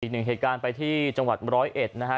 อีกหนึ่งเหตุการณ์ไปที่จังหวัดร้อยเอ็ดนะฮะ